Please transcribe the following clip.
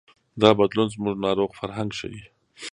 دا بدلون زموږ ناروغ فرهنګ ښيي.